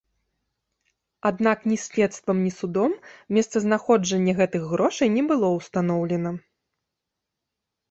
Аднак ні следствам, ні судом месцазнаходжанне гэтых грошай не было ўстаноўлена.